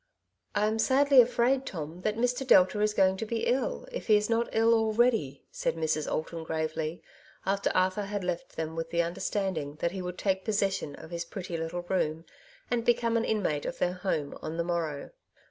^' I am sadly afraid, Tom, that Mr. Delta is going to be ill, if he is not ill already,'^ said Mrs. Alton gravely, after Arthur had left them with the under standing that he would take possession of his pretty little room, and become an inmate of their home, on the morrow.